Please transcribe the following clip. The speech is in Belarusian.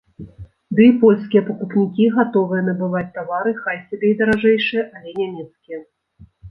Ды і польскія пакупнікі гатовыя набываць тавары хай сабе і даражэйшыя, але нямецкія.